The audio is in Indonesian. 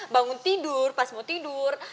bangun tidur pas mau tidur